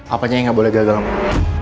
apanya yang gak boleh gagal ngomong